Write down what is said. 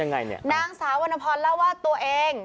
นางสาววรรณพรเล่าว่าตัวเอง